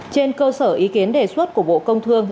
trên cơ sở ý kiến đề xuất của bộ công thương